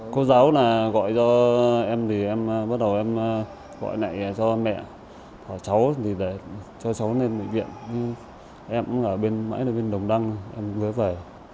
cô giáo gọi cho em thì em bắt đầu gọi lại cho mẹ cho cháu lên bệnh viện em ở bên đồng đăng em ngứa về